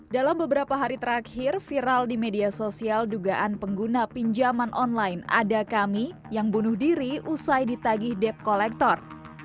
dalam beberapa hari terakhir viral di media sosial dugaan pengguna pinjaman online ada kami yang bunuh diri usai ditagih debt collector